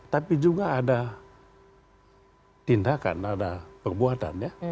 tapi juga ada tindakan ada perbuatannya